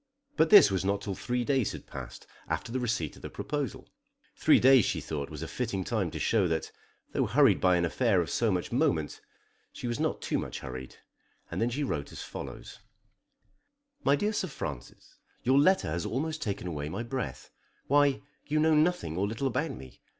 But this was not till three days had passed after the receipt of the proposal. Three days, she thought, was a fitting time to show that, though hurried by an affair of so much moment, she was not too much hurried. And then she wrote as follows: MY DEAR SIR FRANCIS, Your letter has almost taken away my breath. Why, you know nothing or little about me!